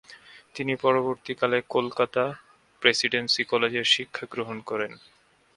তিনি পরবর্তীতে কোলকাতা প্রেসিডেন্সি কলেজের শিক্ষা গ্রহণ করেন।